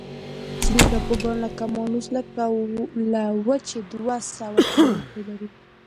ځینې ټاپوګان لکه مانوس له وچې دوه سوه کیلومتره لري.